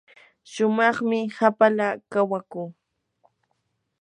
shumaqmi hapala kawakuu.